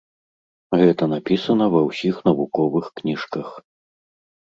Гэта напісана ва ўсіх навуковых кніжках.